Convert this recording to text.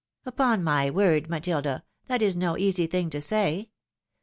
" Upon my word, Matilda, that is no easy thing to say.